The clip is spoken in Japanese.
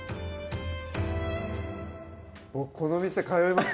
僕この店通います